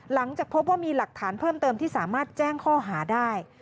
หลังจากพบว่ามีหลักฐานเพิ่มเติมที่สามารถแจ้งข้อหาได้